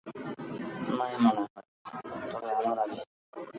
নাই মনে হয়, তবে আমার আছে।